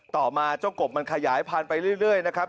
ต่อมาเจ้ากบมันขยายพันธุ์ไปเรื่อยนะครับ